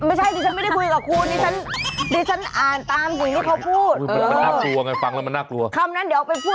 ไม่ใช่สิผมไม่ได้คุยกับคุณสิสันอ่านตามจึงที่เขาพูด